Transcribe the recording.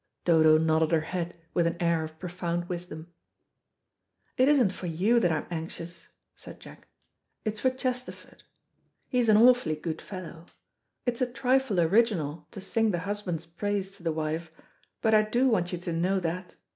Dodo nodded her head with an air of profound wisdom. "It isn't for you that I'm anxious," said Jack, "it's for Chesterford. He's an awfully good fellow. It is a trifle original to sing the husband's praise to the wife, but I do want you to know that.